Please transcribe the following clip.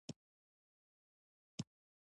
علم حاصل کړی و لو که په چين کي هم وي.